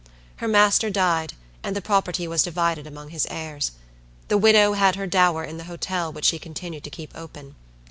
Her master died, and the property was divided among his heirs. The widow had her dower in the hotel which she continued to keep open.